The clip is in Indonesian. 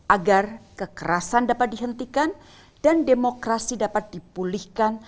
agar kekerasan dapat dihentikan dan demokrasi dapat dipulihkan